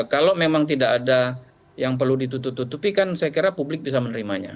kalau memang tidak ada yang perlu ditutup tutupi kan saya kira publik bisa menerimanya